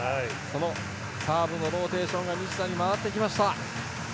サーブのローテーションが西田に回ってきました。